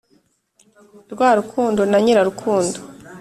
rwa rukundo na nyirarukundo,